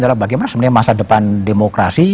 adalah bagaimana sebenarnya masa depan demokrasi